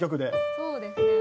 そうですね。